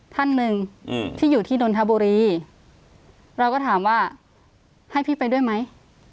ท่านหนึ่งที่อยู่ที่นนทบุรีเราก็ถามว่าให้พี่ไปด้วยไหม